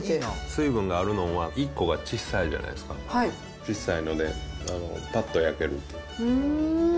水分があるのは、１個がちっさいじゃないですか、小さいので、ぱっと焼ける。